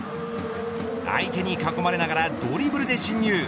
相手に囲まれながらドリブルで侵入。